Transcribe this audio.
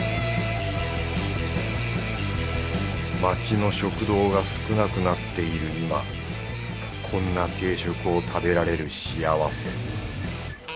町の食堂が少なくなっている今こんな定食を食べられる幸せ。